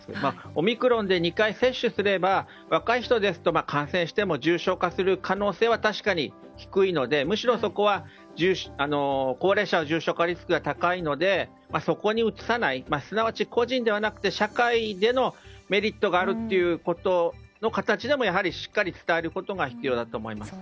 オミクロンで２回接種すれば若い人ですと感染しても重症化する可能性は確かに低いので、むしろ高齢者の重症化リスクが高いので、そこにうつさないすなわち、個人ではなくて社会でのメリットがあるという形でもしっかり伝えることが大切だと思います。